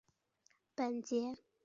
本节介绍拉祜纳方言语音。